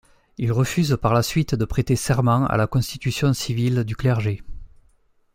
Il refuse par la suite de prêter serment à la Constitution civile du clergé.